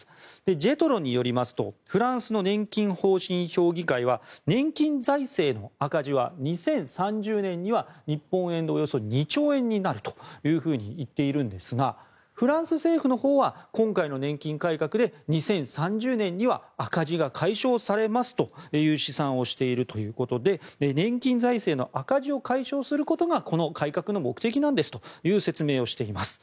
ＪＥＴＲＯによりますとフランスの年金方針評議会は年金財政の赤字は２０３０年には日本円でおよそ２兆円になると言っているんですがフランス政府のほうは今回の年金改革で２０３０年には赤字が解消されますという試算をしているということで年金財政の赤字を改革することがこの改革の目的なんですという説明をしています。